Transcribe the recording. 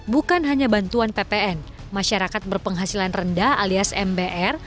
bukan hanya bantuan ppn masyarakat berpenghasilan rendah alias mbr